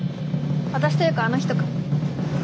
私というかあの人か。